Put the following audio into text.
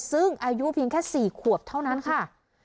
ซึ่งอายุเพียงแค่๔ขวบเท่านั้นค่ะ